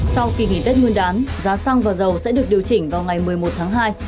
sau kỳ nghỉ tết nguyên đán giá xăng và dầu sẽ được điều chỉnh vào ngày một mươi một tháng hai